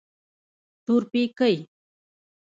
تورپيکۍ.